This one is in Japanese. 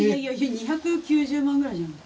２９０万ぐらいじゃなかった？」